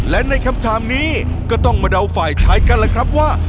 และในคำถามนี้ก็ต้องมาเดาฝ่ายชายกันล่ะครับว่า